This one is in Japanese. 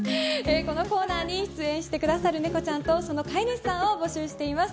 このコーナーに出演してくれるネコちゃんと飼い主さんを募集しています。